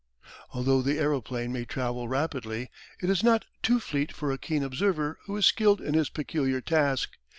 Although the aeroplane may travel rapidly it is not too fleet for a keen observer who is skilled in his peculiar task.